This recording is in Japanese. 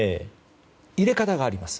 入れ方があります。